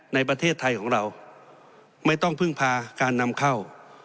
ในประเทศไทยของเราไม่ต้องพึ่งพาการนำเข้า